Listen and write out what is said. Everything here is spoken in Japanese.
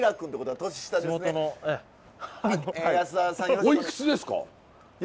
おいくつですか？